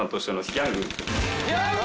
ギャング！？